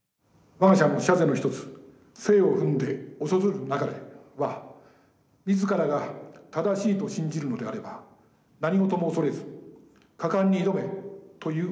我が社の社是の一つ「蹈正勿懼」は自らが正しいと信じるのであれば何事も恐れず果敢に挑めという戒めであります。